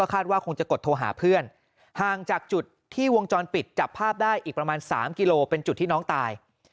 คาดว่าคงจะกดโทรหาเพื่อนห่างจากจุดที่วงจรปิดจับภาพได้อีกประมาณ๓กิโลเป็นจุดที่น้องตาย